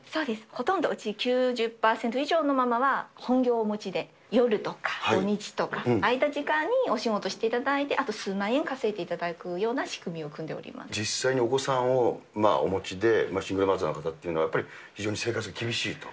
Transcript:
ほとんどうち、９０％以上のママは、本業をお持ちで、夜とか土日とか、空いた時間にお仕事していただいて、あと数万円稼いでいただくような実際にお子さんをお持ちで、シングルマザーの方っていうのは、やっぱり非常に生活が厳しいと。